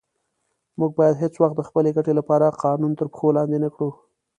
موږ باید هیڅ وخت د خپلې ګټې لپاره قانون تر پښو لاندې نه کړو.